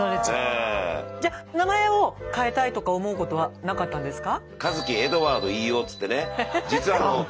じゃ名前を変えたいとか思うことはなかったんですか？